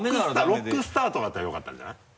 「ロックスター」とかだったらよかったんじゃない？